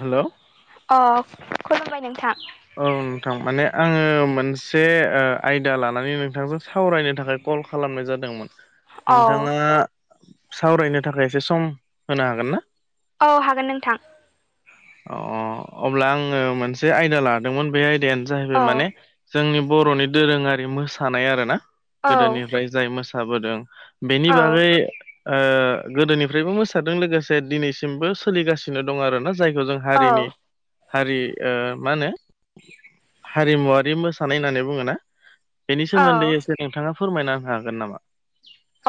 हेल' अ खुलुमबाय नोंथां। औ नोंथां माने आङो मोनसे आयदा लानानै नोंथांजों सावरायनो थाखाय। कल खालामनाय जादोंमोन। औ नोंथाङा सावरायनो थाखाय एसे सम होनो हागोन ना? औ हागोन नोंथां। अ अ अब्ला आङो मोनसे आयदा लादोंमोन बे आयदायानो जाहैबाय औ माने। जोंनि बर'नि दोरोङारि मोसानाय आरो ना ओ औ गोदोनिफ्राय जाय मोसाबोदों बेनि औ बागै गोदोनिफ्रायबो मोसादों लोगोसे दिनैसिमबो सोलिगासिनो दं आरोना जायखौ जों हारिनि औ हारि ओ मा होनो हारिमुवारि मोसानाय होननानै बुङोना बेनि सोमोन्दै एसे नोंथाङा फोरमायना होनो हागोन नामा?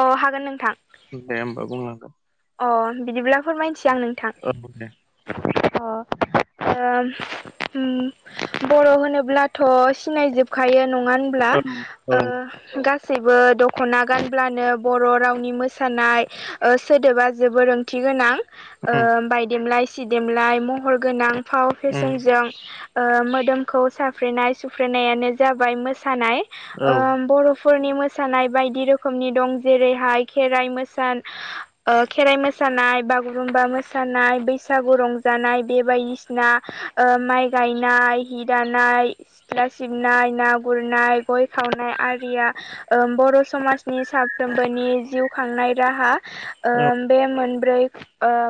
अ हागोन नोंथां। दे होनोमबा बुंलांगोन। अ बिदिब्ला फोरमायसै आं नोंथां औ दे अ आं ओम बर' होनोब्लाथ' सिनायजोबखायो नङानो होनब्ला औ औ आ गासैबो दख'ना गानब्लानो बर' रावनि मोसानाय ओ सोदोबा जोबोर रों थि गोनां उम बायदेमलाय सिदेमलाय महर गोनां फाव उम फेसनजों मोदोमखौ साफ्रेनाय सुफ्रेनायानो जाबाय मोसानाय औ बर' फोरनि मोसानाय बायदि रोखोमनि दं जेरैहाय खेराइ मोसानाय ओ खेराइ मोसानाय बागुरुम्बा मोसानाय बैसागु रंजानाय बे बायदिसिना माइ गायनाय हि दानाय सिथ्ला सिबनाय ना गुरनाय गय खावनाय आरिया बर' समाजनि साफ्रोमबोनि जिउ खांनाय राहा औ बे मोनब्रै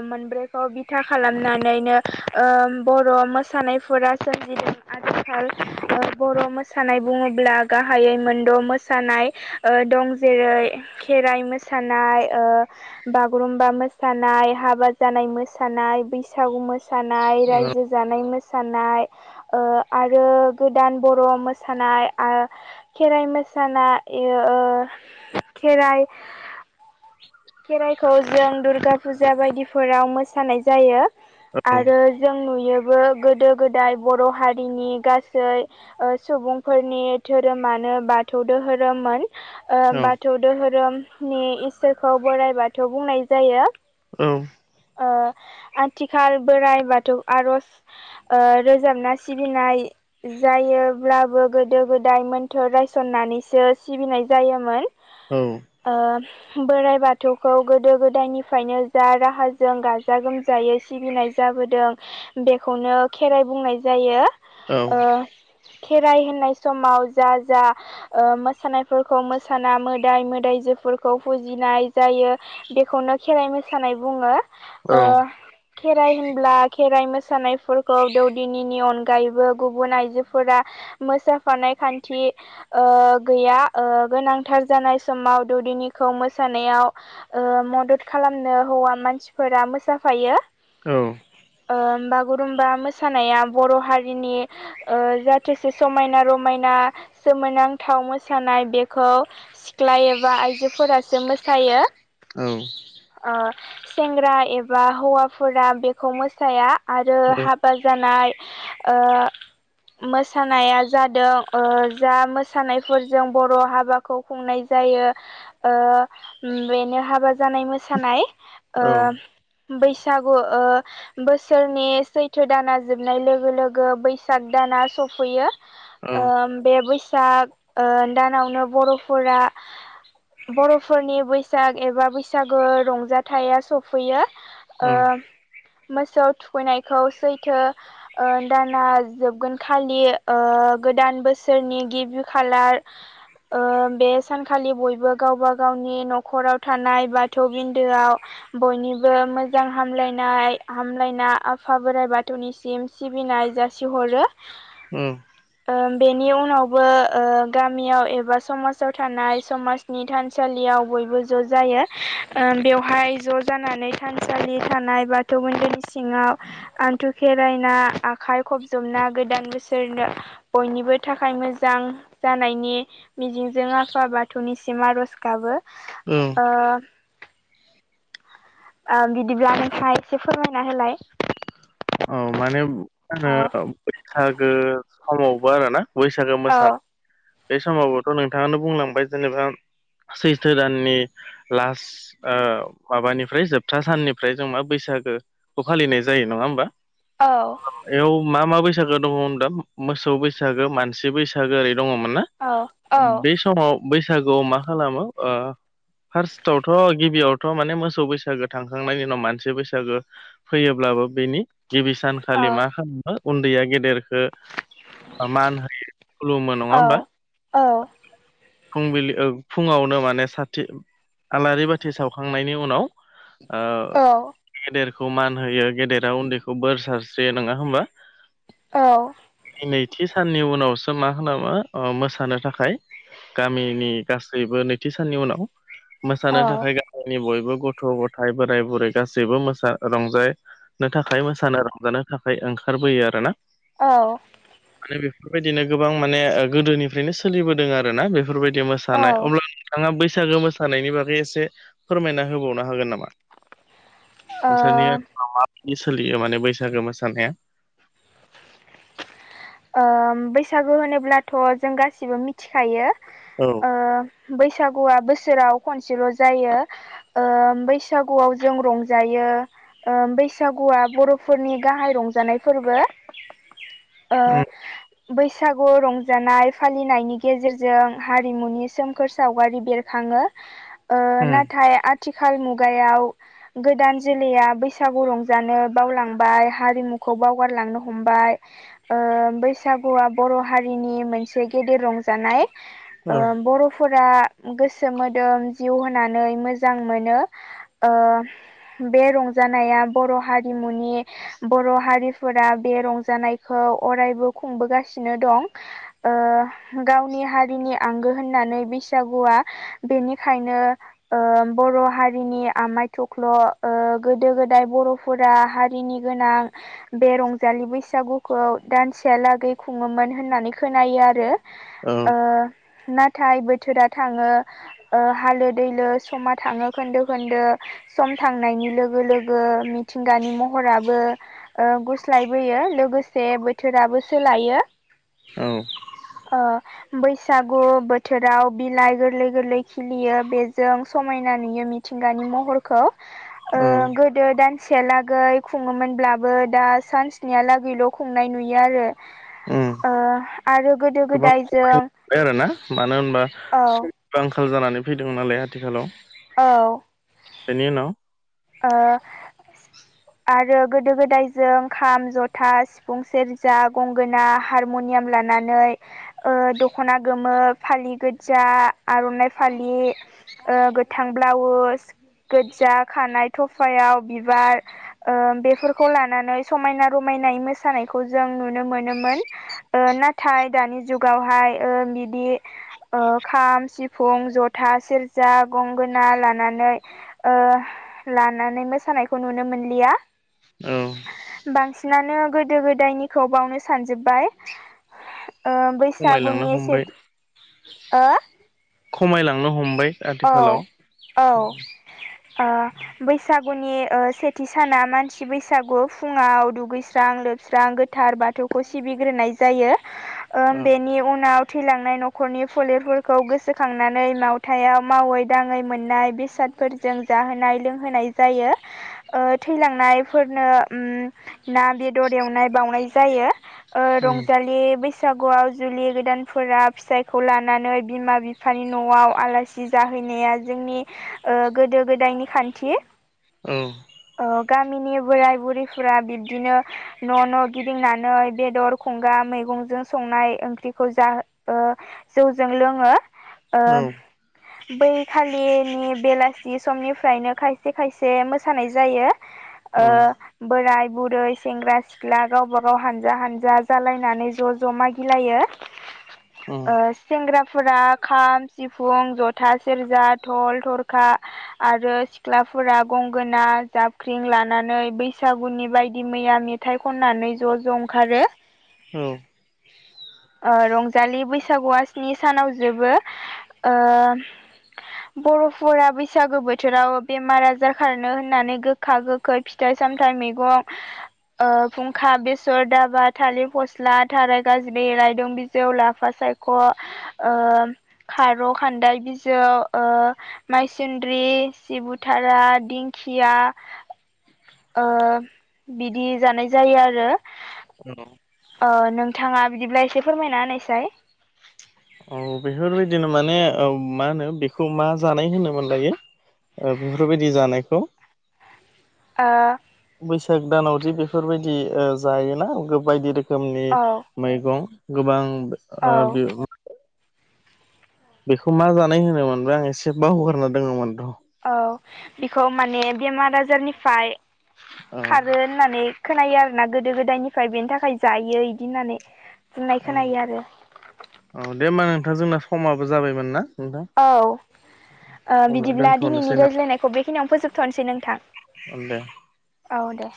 मोनब्रैखौ बिथा खालामनानैनो बर' मोसानायफोरा सोमजिदों आरो आथिखाल बर' मोसानाय बुङोब्ला गाहायै मोनद' मोसानाय दं जेरै खेराइ मोसानाय बागुरुम्बा मोसानाय हाबा जानाय मोसानाय बैसागु मोसानाय रायजो जानाय मोसानाय आरो गोदान बर' मोसानाय खेराइ मोसाना [unintelligible] खेराइ खेराइखौ जों दुर्गा फुजा बायदिफोराव मोसानाय जायो औ आरो जों नुयोबो गोदो गोदाय बर' हारिनि गासै सुबुंफोरनि धोरोमानो बाथौ दोहोरोममोन औ बाथौ दोहोरोमनि इसोरखौ बोराइ बाथौ बुंनाय जायो औ आथिखाल बोराइ बाथौ आर'ज रोजाबना सिबिनाय जायोब्लाबो गोदो गोदाय मोन्थोर रायसननानैसो सिबिनाय जायोमोन ओ बोराइ बाथौखौ गोदो गोदायनिफ्रायनो जा राहाजों गाजा गोमजायै सिबिनाय जाबोदों बेखौनो खेराइ बुंनाय जायो खेराइ होनाय समाव जा जा मोसानायफोरखौ मोसाना मोदाय मोदायजोफोरखौ फुजिनाय जायो बेखौनो खेराइ मोसानाय बुङो खेराइ होनब्ला खेराइ मोसानायफोरखौ दौदिनिनि अनगायैबो गुबुन आइजोफोरा मोसाफानाय खान्थि गैया गोनांथार जानाय समाव दौदिनि खौ मोसानायाव मदद खालामनो हौवा मानसिफोरा मोसाफायो औ बागुरुमबा मोसानाया बर' हारिनि जाथोसे समायना रमायना सोमोनांथाव मोसानाय बेखौ सिख्ला एबा आइजोफोरासो मोसायो औ सेंग्रा एबा हौवाफोरा बेखौ मोसाया आरो हाबा जानाय ओ मोसानाया जादों जा मोसानायफोरजों बर' हाबा खौ खुंनाय जायो बेनो हाबा जानाय मोसानाय बैसागु ओ बोसोरनि सैथो दाना जोबनाय लोगो लोगो बैसाग दाना सफैयो बे बैसाग दानावनो बर'फोरा बर'फोरनि बैसाग एबा बैसागो रंजाथाइया सफैयो औ मोसौ थुखैनायखौ सैथो दाना जोबगोन खालि गोदान बोसोरनि गिबि खालार बे सानखालि बयबो गावबा गावनि न'खराव थानाय बाथौ बिन्दोआव बयनिबो मोजां हामलायनाय हामलायना आफा बोराइ बाथौनिसिम सिबिनाय जासिहरो उ बेनि उनावबो गामियाव एबा समाजाव थानाय समाज नि थानसालियाव बयबो ज' जायो बेवहाय ज' जानानै थानसालि थानाय बा थौ मन्दिरनि सिङाव आनथु खेरायना आखाय खबजबना गोदान बोसोरनो बयनिबो थाखाय मोजां जानायनि मिजिंजों आफा बाथौनि सिम आरज गाबो औ ओ ओ बिदिब्ला नोंथाङा एसे फोरमायना होलाय। औ माने औ ओ बैसागो समावबो आरोना बैसागो औ मोसानायाव। बे समावबोथ' नोंथाङानो बुंलांबाय जेनेबा सैसथो दाननि लास्ट ओ माबानिफ्राय जोबथा साननिफ्राय जों मा बैसागोखौ फालिनाय जायो नङा होमबा? औ बेयाव मा मा बैसागो दङ होन दा मोसौ बैसागो मानसि बैसागो ओरै दङमोन ना? औ औ बे समाव बैसागुआव मा खालामो ओ फार्स्टआवथ' गिबियावथ' माने मोसौ बैसागो थांखांनायनि उनाव मानसि बैसागो। फैयोब्लाबो बेनि गिबि सानखालि मा औ खालामो उन्दैया गेदेरखौ मान खुलुमो नङा होमबा? औ फुंबिलि फुङावनो माने साथि आलारि बाथि सावखांनायनि उनाव ओ औ गेदेरखौ मान होयो गेदेरा उन्दैखौ बोर सारस्रियो नङा होमबा? औ नैथि साननि उनावसो मा होनामो मोसानो थाखाय गामिनि गासैबो नैथि साननि उनाव औ मोसानो थाखाय बयबो गथ' गथाय बोराय बुरै गासैबो मोसा रंजानो थाखाय आखाइ मोसानो रंजानो थाखाय ओंखारबोयो आरोना। औ माने बेफोरबायदिनो गोबां माने ओ गोदोनिफ्रायनो सोलिबोदों आर ना बेफोरबायदि औ मोसानाय ओ अब्ला आंहा बैसागो मोसानायनि बागै एसे फोरमायना होबावनो हागोन नामा? नोंसोरनिओाव माबायदि सोलियो माने बैसागो मोसानाया? ओ बैसागु होनोब्लाथ' जों गासिबो मिथिखायो औ बैसागुआ बोसोराव खनसेल' जायो। ओ बैसागुआव जों रंजायो। ओ बैसागुआ बर'फोरनि गाहाय रंजानाय फोरबो। उम ओ बैसागु रंजानाय फालिनायनि गेजेरजों हारिमुनि ओ सोमखोर सावगारि बेरखाङो। [unintelligible] ओ नाथाय आथिखाल मुगायाव गोदान जोलैया बैसागु रंजानो बावलांबाय हारिमुखौ बावगारलांनो हमबाय। ओ बैसागुआ बर' हारिनि मोनसे गेदेर रंजानाय। ओ औ बर'फोरा गोसो मोदोम जिउ होनानै मोजां मोनो ओ बे रंजानाया बर' हारिमुनि बर' हारिफोरा बे रंजानाय खौ अरायबो खुंबोगासिनो दं। ओ गावनि हारिनि आंगो होननानै बैसागुआ बेनिखायनो ओ बर' हारिनि आमाय थख्ल' ओ गोदो गोदाय बर' फोर हारिनि गोनां बे रंजालि बैसागु खौ दानसेहालागै खुङोमोन होननानै खोनायो आरो। औ ओ नाथाय बोथोरा थाङो हालो दैलो समा थाङो खोन्दो खोन्दो। सम थांनायनि लोगो लोगो मिथिंगानि महराबो ओ गुस्लायबोयो लोगोसे बोथोराबो सोलायो। औ। अ बैसागु बोथोराव बिलाइ गोरलै- गोरलै खिलियो बेजों समायना नुयो मिथिंगानि महरखौ। ओ औ गोदो दानसेयालागै खुङोमोनब्लाबो दा सानस्नियालागैल' खुंनाय नुयो आरो उम ओ आरो गोदो गोबां गोदाय जों खमिबोबाय आरोना मानो होनबा औ सम बो आंखाल जानानै फैदों नालाय आथिखालाव। औ। बेनि उनाव ओ [inaudible] आरो गोदो- गोदाय जों खाम, जथा, सिफुं, सेरजा, गंगोना, हार हारमुनियाम लानानै ओ दख'ना गोमो, फालि गोजा, आर'नाइ फालि ओ गोथां ब्लाउस, गोजजा खानाय थफायाव बिबार ओ बेफोरखौ लानानै समायना- रमायनायै मोसानायखौ जों नुनो मोनोमोन। ओ नाथाय दानि जुगावहाय ओ बिदि ओ खाम, सिफुं, जथा, सेरजा, गंगोना लानानै ओ लानानै मोसानायखौ नुनो मोनलिया। औ बांसिनानो गोदो- गोदायनिखौ बावनो सानजोब्बाय। ओ खमायलांनो बैसागुनि हमबाय सेथि हो खमायलांनो हमबाय। औ आथिखालाव औ ओ बैसागुनि ओ सेथि साना मानसि बैसागु फुङाव दुगैस्रां लोबस्रां गोथ गोथार बाथौखौ सिबिग्रोनाय जायो। [inaudible] ओ बेनि उनाव थैलांनाय न'खरनि फोलेरफोरखौ गोसोखांनानै लावथायाव मावै-दाङै मोननाय बेसादफोरजों जाहोनाय-लोंहोनाय जायो। ओ थैलांनायफोरनो उम ना-बेदर एवनाय बाउनाय जायो ओ औ रंजालि बैसा बैसागुआव जुलि गोदानफोरा फिसायखौ लानानै बिमा-बिफानि न'आव आलासि जि जाहैनाया जोंनि ओ गोदो-गोदायनि खान्थि औ। ओ गामिनि बोराइ-बुरैफोरा बिब्दिनो न' -न' गिदिंनानै बेदर खंगा मैगंजों संनाय ओंख्रिखौ जा ओ जौजों लोङो ओ बै खालिनि बेलासि समनिफ्रायनो खायसे-खायसे मोसानाय जायो। औ ओ बोराइ- बुरै, सेंग्रा-सिख सिख्ला गावबा गाव हानजा-हानजा जालायनानै ज'-ज' मागिलायो। ओ सेंग्राफोरा खाम, सिफुं जथा, सेरजा, धल, थरखा आरो सिख्लाफोरा गंगोना, जाबख्रिं लानानै बैसागुनि बायदि मैया मे थाइ खननानै ज'-ज' ओंखारो। औ। ओ रंजालि बैसागुआ स्नि सानाव जोबो ओ [inaudible] बर'फोरा बैसागो बोथोराव बेमार-आजार खारनो होननानै गोखा-गोख खै फिथाइ-सामथाइ मैगं खुंखा बेसर दाबा थालिर फस्ला थाराय गाज्लि रायदों बिजौ लाफा सायख खार' खान्दाय बिजौ माइसुन्द्रि [unintelligible] सिबुथारा दिंखिया बिदि जानाय जायो आरो औ नोंथाङा बिदिब्ला एसे फोरमायना होनायसाय औ बेफोरबायदिनो माने मा होनो बेखौ मा जानाय होनोमोन लायो बेफोरबायदि जानायखौ ओ बैसाग दानावदि बेफोरबायदि जायोना बायदि रोखोमनि औ मैगं गोबां औ बेखौ मा जानाय होनोमोनबा आं एसे बावहगारना दङमोन र' औ बेखौ माने बेमार आजारनिफ्राय औ खारो होननानै खोनायो आरो ना गोदो गोदायनिफ्राय बेनि थाखाय जायो बिदि होननानै होननाय औ खोनायो आरो औ दे होमबा नोंथां जोंना समाबो जाबायमोन ना नोंथां औ अब्ला बिदिब्ला दिनैनि दोनथ'नोसै ना रायज्लायनायखौ बेखिनियावनो फोजोबथ'नोसै नोंथां औ दे औ दे